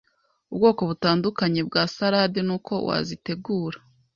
ubwoko butandukanye bwa salade n’uko wazitegura